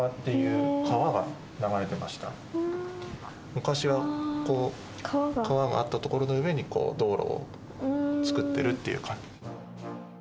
昔はこう川があったところの上に道路を造ってるっていう感じ。